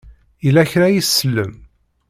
Yella kra ay tsellem?